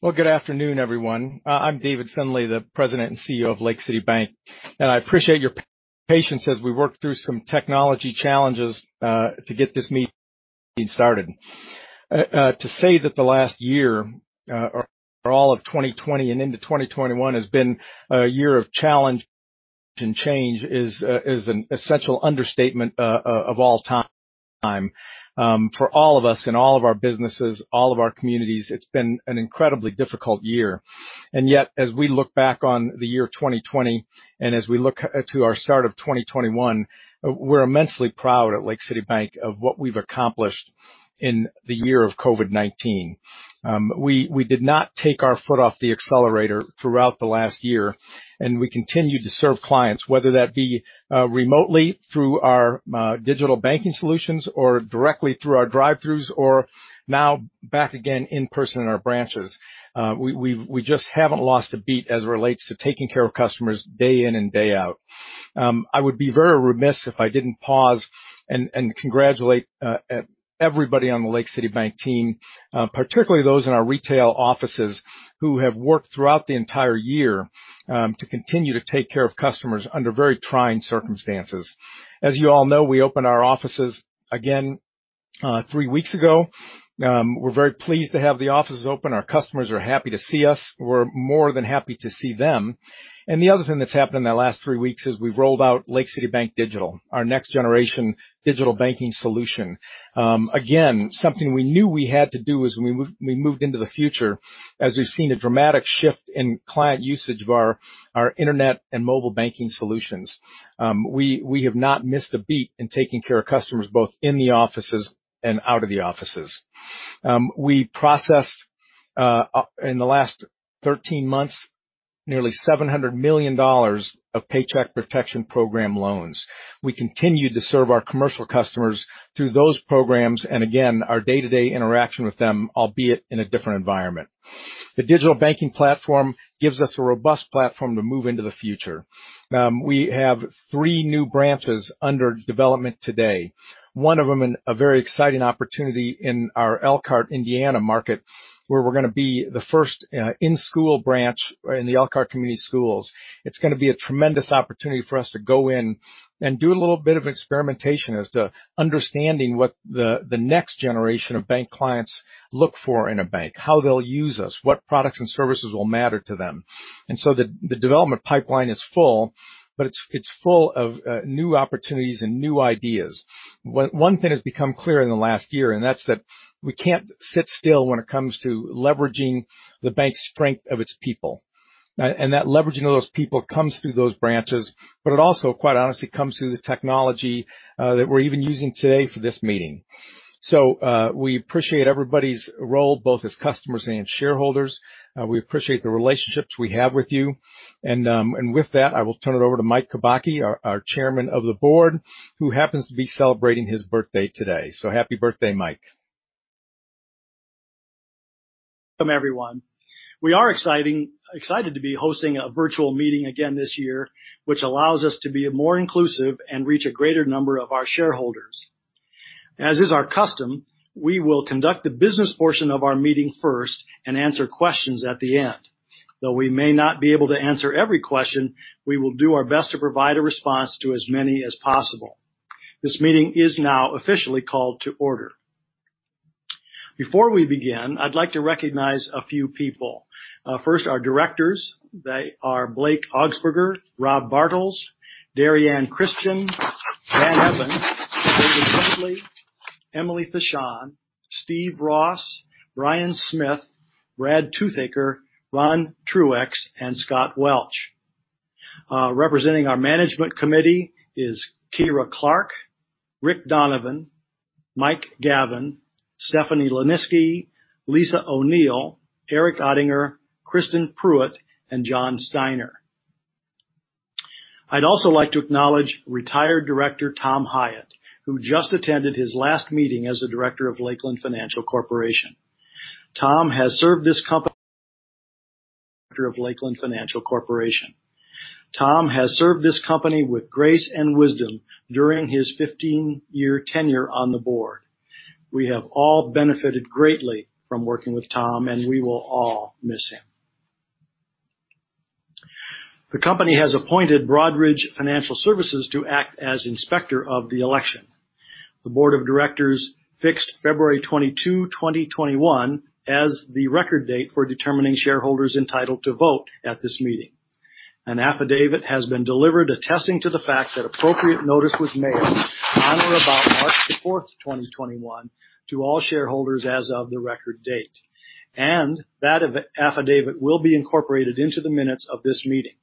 Well, good afternoon, everyone. I'm David Findlay, the President and CEO of Lake City Bank, and I appreciate your patience as we work through some technology challenges to get this meeting started. To say that the last year, or all of 2020 and into 2021 has been a year of challenge and change is an essential understatement of all time. For all of us in all of our businesses, all of our communities, it's been an incredibly difficult year. Yet, as we look back on the year 2020, and as we look to our start of 2021, we're immensely proud at Lake City Bank of what we've accomplished in the year of COVID-19. We did not take our foot off the accelerator throughout the last year, and we continued to serve clients, whether that be remotely through our digital banking solutions or directly through our drive-throughs or now back again in-person in our branches. We just haven't lost a beat as it relates to taking care of customers day in and day out. I would be very remiss if I didn't pause and congratulate everybody on the Lake City Bank team, particularly those in our retail offices who have worked throughout the entire year, to continue to take care of customers under very trying circumstances. As you all know, we opened our offices again three weeks ago. We're very pleased to have the offices open. Our customers are happy to see us. We're more than happy to see them. The other thing that's happened in the last three weeks is we've rolled out Lake City Bank Digital, our next-generation digital banking solution. Again, something we knew we had to do as we moved into the future, as we've seen a dramatic shift in client usage of our internet and mobile banking solutions. We have not missed a beat in taking care of customers both in the offices and out of the offices. We processed, in the last 13 months, nearly $700 million of Paycheck Protection Program loans. We continued to serve our commercial customers through those programs, and again, our day-to-day interaction with them, albeit in a different environment. The digital banking platform gives us a robust platform to move into the future. We have three new branches under development today. One of them, a very exciting opportunity in our Elkhart, Indiana market, where we're going to be the first in-school branch in the Elkhart Community Schools. It's going to be a tremendous opportunity for us to go in and do a little bit of experimentation as to understanding what the next generation of bank clients look for in a bank. How they'll use us. What products and services will matter to them. The development pipeline is full, but it's full of new opportunities and new ideas. One thing has become clear in the last year, and that's that we can't sit still when it comes to leveraging the bank's strength of its people. That leveraging of those people comes through those branches, but it also, quite honestly, comes through the technology that we're even using today for this meeting. We appreciate everybody's role, both as customers and shareholders. We appreciate the relationships we have with you. With that, I will turn it over to Mike Kubacki, our Chairman of the Board, who happens to be celebrating his birthday today. Happy birthday, Mike. Welcome, everyone. We are excited to be hosting a virtual meeting again this year, which allows us to be more inclusive and reach a greater number of our shareholders. As is our custom, we will conduct the business portion of our meeting first and answer questions at the end. Though we may not be able to answer every question, we will do our best to provide a response to as many as possible. This meeting is now officially called to order. Before we begin, I'd like to recognize a few people. First, our Directors. They are Blake Augsburger, Rob Bartels, Darrianne Christian, Dan Evans, David Findlay, Emily Pichon, Steve Ross, Brian Smith, Brad Toothaker, Ron Truax, and Scott Welch. Representing our management committee is Kyra Clark, Rick Donovan, Mike Gavin, Stephanie Leniski, Lisa O'Neill, Eric Ottinger, Kristin Pruitt, and John Steiner. I'd also like to acknowledge retired Director Tom Hiatt, who just attended his last meeting as a Director of Lakeland Financial Corporation. Tom has served this company with grace and wisdom during his 15-year tenure on the board. We have all benefited greatly from working with Tom, and we will all miss him. The company has appointed Broadridge Financial Solutions to act as inspector of the election. The board of Directors fixed February 22, 2021, as the record date for determining shareholders entitled to vote at this meeting. An affidavit has been delivered attesting to the fact that appropriate notice was made on or about March the 4th, 2021, to all shareholders as of the record date. That affidavit will be incorporated into the minutes of this meeting.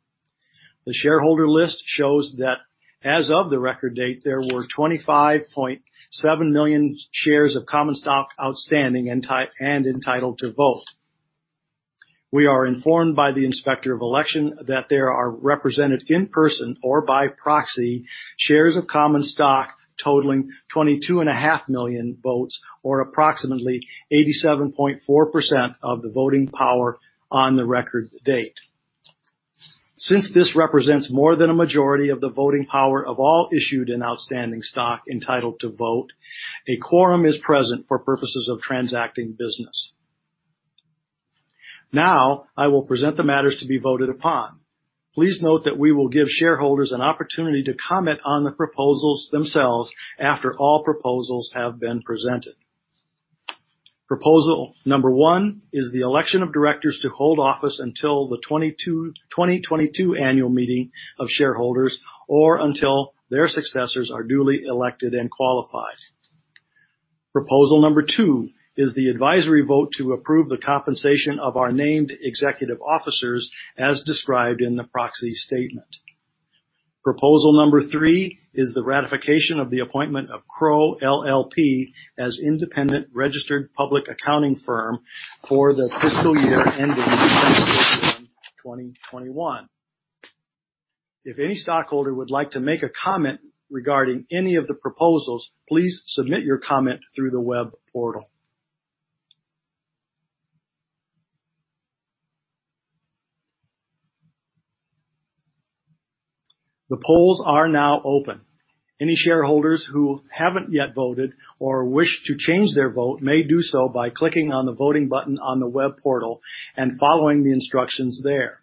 The shareholder list shows that as of the record date, there were 25.7 million shares of common stock outstanding and entitled to vote. We are informed by the inspector of election that there are represented in person or by proxy shares of common stock totaling 22.5 million votes, or approximately 87.4% of the voting power on the record to date. Since this represents more than a majority of the voting power of all issued and outstanding stock entitled to vote, a quorum is present for purposes of transacting business. Now, I will present the matters to be voted upon. Please note that we will give shareholders an opportunity to comment on the proposals themselves after all proposals have been presented. Proposal number one is the election of Directors to hold office until the 2022 Annual Meeting of Shareholders, or until their successors are duly elected and qualified. Proposal number two is the advisory vote to approve the compensation of our named executive officers as described in the proxy statement. Proposal number three is the ratification of the appointment of Crowe LLP as independent registered public accounting firm for the fiscal year ending December 31, 2021. If any stockholder would like to make a comment regarding any of the proposals, please submit your comment through the web portal. The polls are now open. Any shareholders who haven't yet voted or wish to change their vote may do so by clicking on the voting button on the web portal and following the instructions there.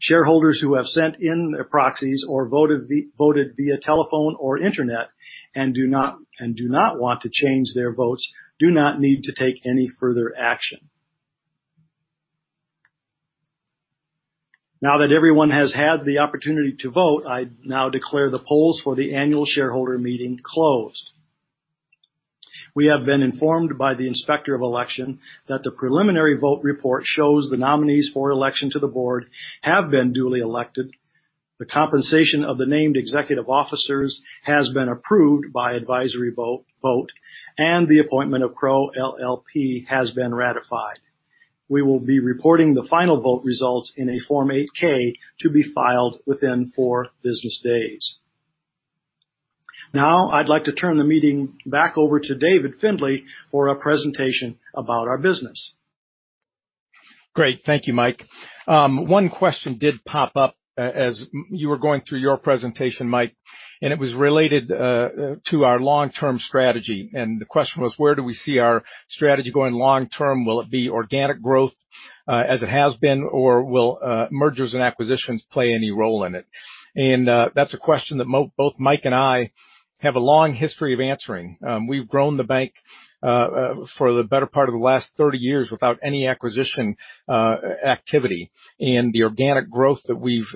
Shareholders who have sent in their proxies or voted via telephone or internet, and do not want to change their votes, do not need to take any further action. That everyone has had the opportunity to vote, I now declare the polls for the annual shareholder meeting closed. We have been informed by the Inspector of Election that the preliminary vote report shows the nominees for election to the board have been duly elected, the compensation of the named executive officers has been approved by advisory vote, and the appointment of Crowe LLP has been ratified. We will be reporting the final vote results in a Form 8-K to be filed within four business days. I'd like to turn the meeting back over to David Findlay for a presentation about our business. Great. Thank you, Mike. One question did pop up as you were going through your presentation, Mike. It was related to our long-term strategy. The question was, where do we see our strategy going long term? Will it be organic growth, as it has been, or will mergers and acquisitions play any role in it? That's a question that both Mike and I have a long history of answering. We've grown the bank for the better part of the last 30 years without any acquisition activity. The organic growth that we've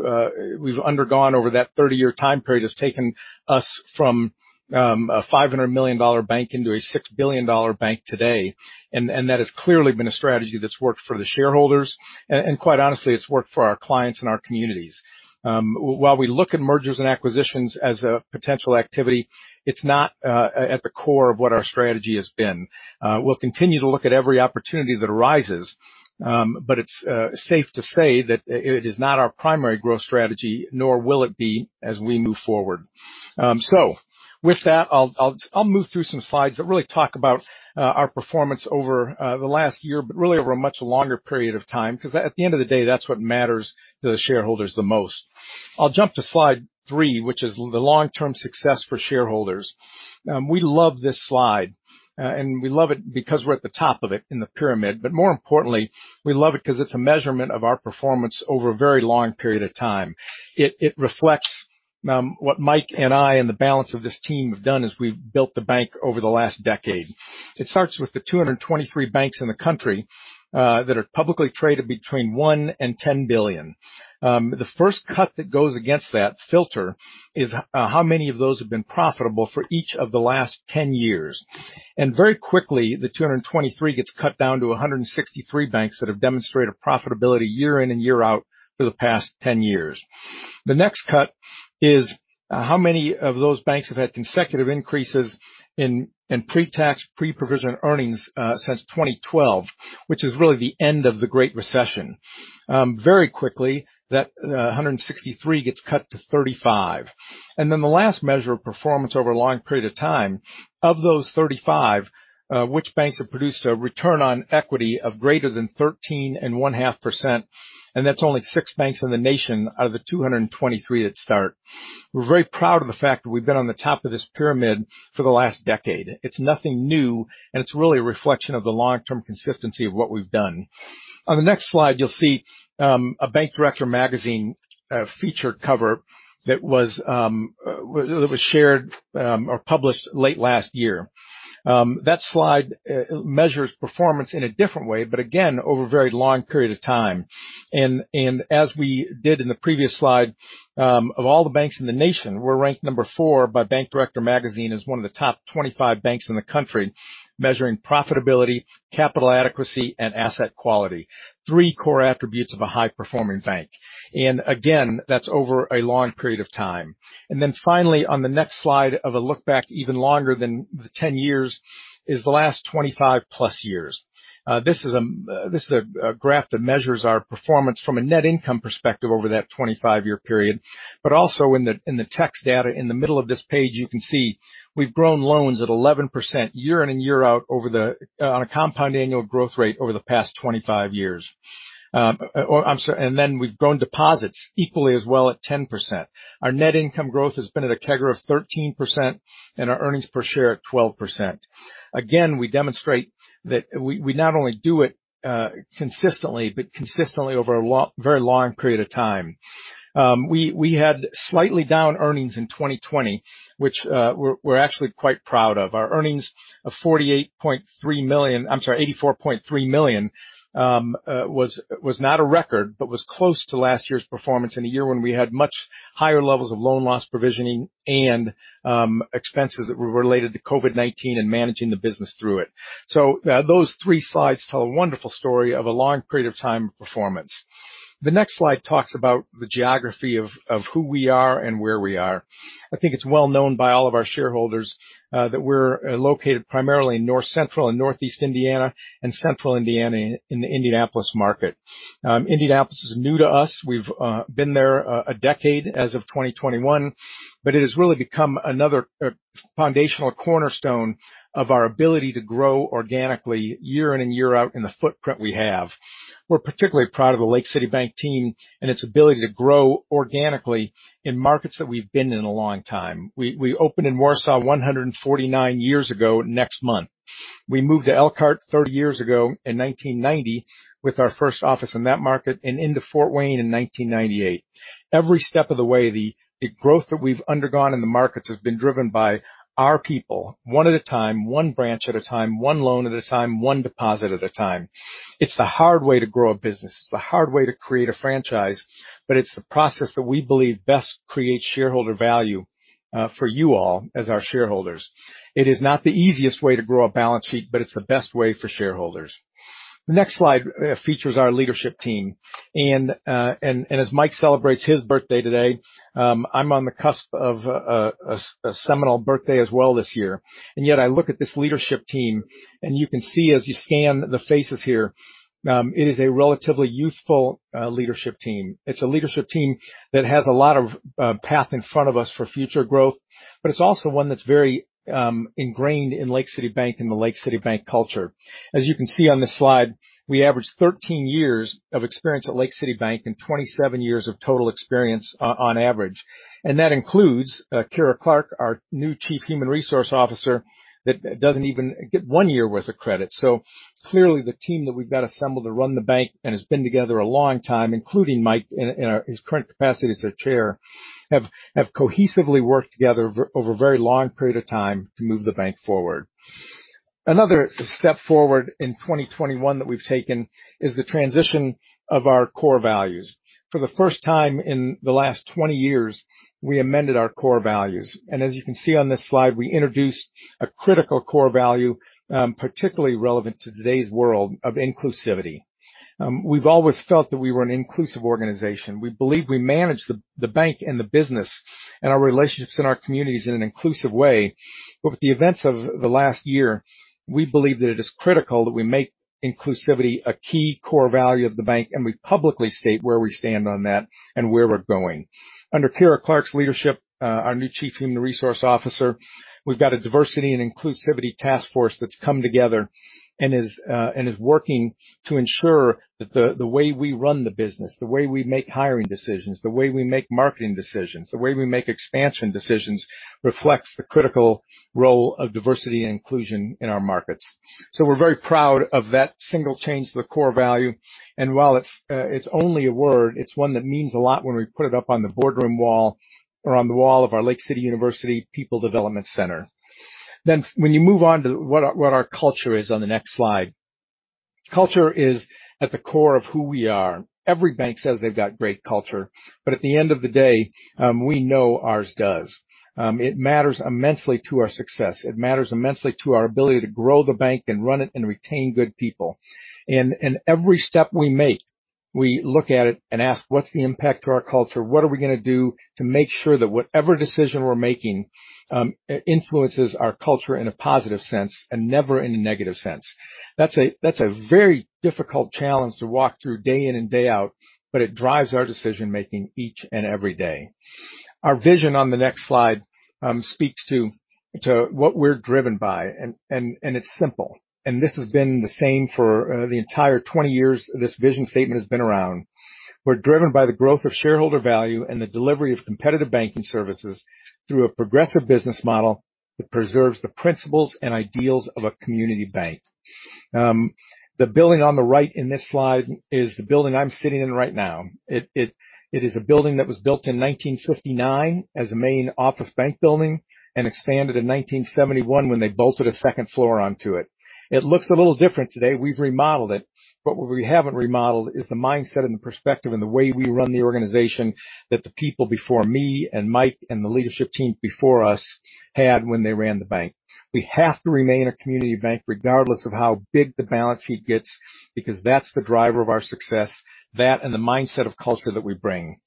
undergone over that 30-year time period has taken us from a $500 million bank into a $6 billion bank today. That has clearly been a strategy that's worked for the shareholders, and quite honestly, it's worked for our clients and our communities. While we look at mergers and acquisitions as a potential activity, it's not at the core of what our strategy has been. We'll continue to look at every opportunity that arises, but it's safe to say that it is not our primary growth strategy, nor will it be as we move forward. With that, I'll move through some slides that really talk about our performance over the last year, but really over a much longer period of time, because at the end of the day, that's what matters to the shareholders the most. I'll jump to slide three, which is the long-term success for shareholders. We love this slide, and we love it because we're at the top of it in the pyramid. More importantly, we love it because it's a measurement of our performance over a very long period of time. It reflects what Mike and I and the balance of this team have done as we've built the bank over the last decade. It starts with the 223 banks in the country that are publicly traded between $1 billion and $10 billion. The first cut that goes against that filter is how many of those have been profitable for each of the last 10 years. Very quickly, the 223 gets cut down to 163 banks that have demonstrated profitability year in and year out for the past 10 years. The next cut is how many of those banks have had consecutive increases in pre-tax, pre-provision earnings since 2012, which is really the end of the Great Recession. Very quickly, that 163 gets cut to 35. Then the last measure of performance over a long period of time, of those 35, which banks have produced a return on equity of greater than 13.5%? That's only six banks in the nation out of the 223 that start. We're very proud of the fact that we've been on the top of this pyramid for the last decade. It's nothing new, and it's really a reflection of the long-term consistency of what we've done. On the next slide, you'll see a Bank Director Magazine feature cover that was shared or published late last year. That slide measures performance in a different way, but again, over a very long period of time. As we did in the previous slide, of all the banks in the nation, we're ranked number 4 by Bank Director Magazine as one of the top 25 banks in the country, measuring profitability, capital adequacy, and asset quality. Three core attributes of a high-performing bank. Again, that's over a long period of time. Finally, on the next slide of a look back even longer than the 10 years, is the last 25 plus years. This is a graph that measures our performance from a net income perspective over that 25-year period. Also in the text data in the middle of this page, you can see we've grown loans at 11% year in and year out on a compound annual growth rate over the past 25 years. We've grown deposits equally as well at 10%. Our net income growth has been at a CAGR of 13%, and our earnings per share at 12%. Again, we demonstrate that we not only do it consistently, but consistently over a very long period of time. We had slightly down earnings in 2020, which we're actually quite proud of. Our earnings of $84.3 million was not a record, but was close to last year's performance in a year when we had much higher levels of loan loss provisioning and expenses that were related to COVID-19 and managing the business through it. Those three slides tell a wonderful story of a long period of time of performance. The next slide talks about the geography of who we are and where we are. I think it's well known by all of our shareholders that we're located primarily in North Central and Northeast Indiana and Central Indiana in the Indianapolis market. Indianapolis is new to us. We've been there a decade as of 2021, but it has really become another foundational cornerstone of our ability to grow organically year in and year out in the footprint we have. We're particularly proud of the Lake City Bank team and its ability to grow organically in markets that we've been in a long time. We opened in Warsaw 149 years ago next month. We moved to Elkhart 30 years ago in 1990 with our first office in that market and into Fort Wayne in 1998. Every step of the way, the growth that we've undergone in the markets has been driven by our people, one at a time, one branch at a time, one loan at a time, one deposit at a time. It's the hard way to grow a business. It's the hard way to create a franchise, but it's the process that we believe best creates shareholder value for you all as our shareholders. It is not the easiest way to grow a balance sheet, but it's the best way for shareholders. The next slide features our leadership team, and as Mike celebrates his birthday today, I'm on the cusp of a seminal birthday as well this year. Yet I look at this leadership team, and you can see as you scan the faces here, it is a relatively youthful leadership team. It's a leadership team that has a lot of path in front of us for future growth, but it's also one that's very ingrained in Lake City Bank and the Lake City Bank culture. As you can see on this slide, we average 13 years of experience at Lake City Bank and 27 years of total experience on average. That includes Kyra Clark, our new Chief Human Resources Officer, that doesn't even get one year worth of credit. Clearly the team that we've got assembled to run the bank and has been together a long time, including Mike in his current capacity as our Chairman, have cohesively worked together over a very long period of time to move the bank forward. Another step forward in 2021 that we've taken is the transition of our core values. For the first time in the last 20 years, we amended our core values. As you can see on this slide, we introduced a critical core value, particularly relevant to today's world, of inclusivity. We've always felt that we were an inclusive organization. We believe we manage the bank and the business and our relationships in our communities in an inclusive way. With the events of the last year, we believe that it is critical that we make inclusivity a key core value of the bank and we publicly state where we stand on that and where we're going. Under Kyra Clark's leadership, our new Chief Human Resource officer, we've got a diversity and inclusivity task force that's come together and is working to ensure that the way we run the business, the way we make hiring decisions, the way we make marketing decisions, the way we make expansion decisions, reflects the critical role of diversity and inclusion in our markets. We're very proud of that single change to the core value. While it's only a word, it's one that means a lot when we put it up on the boardroom wall or on the wall of our Lake City University People Development Center. When you move on to what our culture is on the next slide. Culture is at the core of who we are. Every bank says they've got great culture. At the end of the day, we know ours does. It matters immensely to our success. It matters immensely to our ability to grow the bank and run it and retain good people. Every step we make, we look at it and ask, "What's the impact to our culture? What are we going to do to make sure that whatever decision we're making influences our culture in a positive sense and never in a negative sense?" That's a very difficult challenge to walk through day in and day out, but it drives our decision-making each and every day. Our vision on the next slide speaks to what we're driven by. It's simple. This has been the same for the entire 20 years this vision statement has been around. We're driven by the growth of shareholder value and the delivery of competitive banking services through a progressive business model that preserves the principles and ideals of a community bank. The building on the right in this slide is the building I'm sitting in right now. It is a building that was built in 1959 as a main office bank building and expanded in 1971 when they bolted a second floor onto it. It looks a little different today. We've remodeled it. What we haven't remodeled is the mindset and the perspective and the way we run the organization that the people before me and Mike and the leadership team before us had when they ran the bank. We have to remain a community bank regardless of how big the balance sheet gets because that's the driver of our success, that and the mindset of culture that we bring.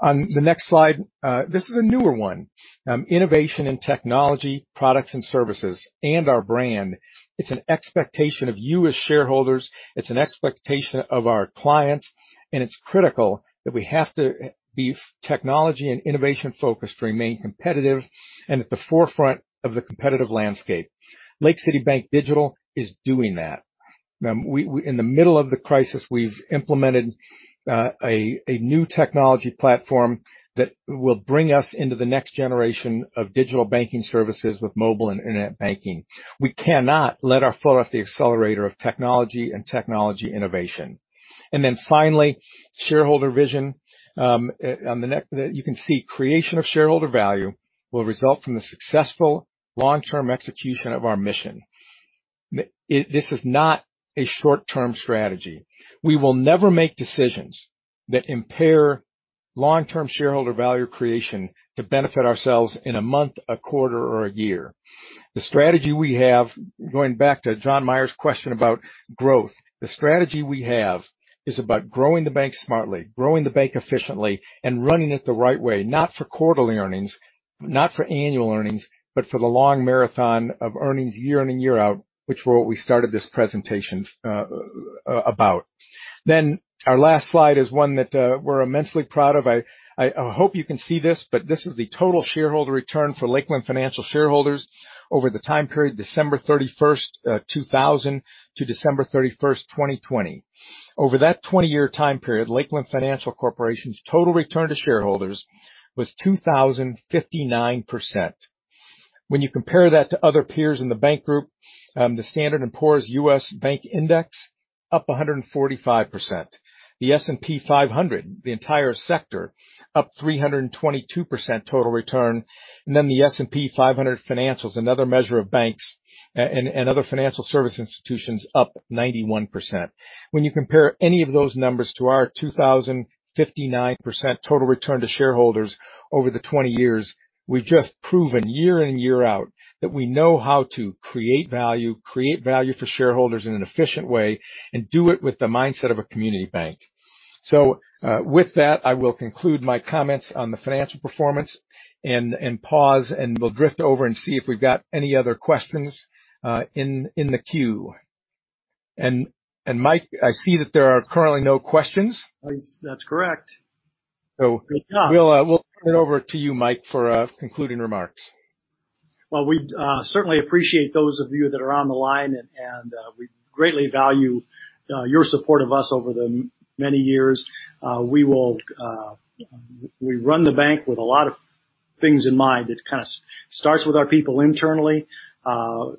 On the next slide, this is a newer one. Innovation in technology, products and services, and our brand. It's an expectation of you as shareholders. It's an expectation of our clients. It's critical that we have to be technology and innovation-focused to remain competitive and at the forefront of the competitive landscape. Lake City Bank Digital is doing that. In the middle of the crisis, we've implemented a new technology platform that will bring us into the next generation of digital banking services with mobile and internet banking. We cannot let our foot off the accelerator of technology and technology innovation. Finally, shareholder vision. You can see creation of shareholder value will result from the successful long-term execution of our mission. This is not a short-term strategy. We will never make decisions that impair long-term shareholder value creation to benefit ourselves in a month, a quarter, or a year. The strategy we have, going back to John Meyer's question about growth, the strategy we have is about growing the bank smartly, growing the bank efficiently, and running it the right way, not for quarterly earnings, not for annual earnings, but for the long marathon of earnings year in and year out, which we started this presentation about. Our last slide is one that we're immensely proud of. I hope you can see this, but this is the total shareholder return for Lakeland Financial shareholders over the time period, December 31st, 2000, to December 31st, 2020. Over that 20-year time period, Lakeland Financial Corporation's total return to shareholders was 2,059%. When you compare that to other peers in the bank group, the Standard & Poor's U.S. Bank Index, up 145%. The S&P 500, the entire sector, up 322% total return, and then the S&P 500 Financials, another measure of banks and other financial service institutions, up 91%. When you compare any of those numbers to our 2,059% total return to shareholders over the 20 years, we've just proven year in and year out that we know how to create value for shareholders in an efficient way, and do it with the mindset of a community bank. With that, I will conclude my comments on the financial performance and pause, and we'll drift over and see if we've got any other questions in the queue. Mike, I see that there are currently no questions. That's correct. So- Good job. We'll turn it over to you, Mike, for concluding remarks. Well, we certainly appreciate those of you that are on the line, and we greatly value your support of us over the many years. We run the bank with a lot of things in mind. It kind of starts with our people internally. Your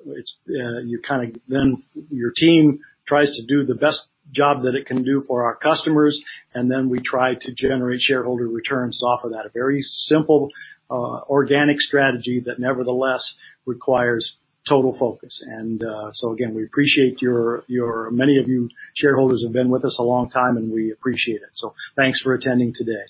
team tries to do the best job that it can do for our customers, and then we try to generate shareholder returns off of that. A very simple, organic strategy that nevertheless requires total focus. Again, we appreciate many of you shareholders have been with us a long time, and we appreciate it. Thanks for attending today.